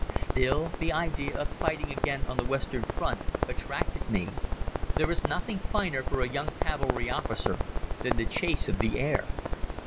Still, the idea of fighting again on the Western Front attracted me. There is nothing finer for a young cavalry officer than the chase of the air.